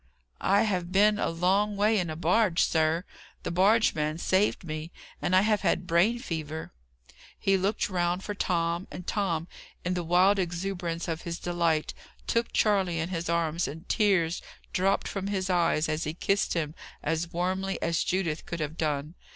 "I have been a long way in a barge, sir. The barge man saved me. And I have had brain fever." He looked round for Tom; and Tom, in the wild exuberance of his delight, took Charley in his arms, and tears dropped from his eyes as he kissed him as warmly as Judith could have done.